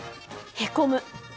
へこむ。